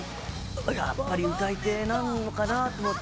やっぱり歌い手なのかなと思って。